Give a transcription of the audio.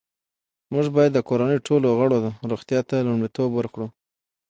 موږ باید د کورنۍ ټولو غړو روغتیا ته لومړیتوب ورکړو